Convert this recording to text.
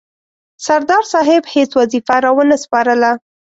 سردار صاحب هیڅ وظیفه را ونه سپارله.